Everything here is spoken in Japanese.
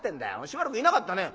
しばらくいなかったね」。